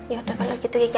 yaudah kalau gitu kiki